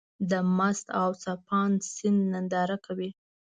د مست او څپانده سيند ننداره کوې.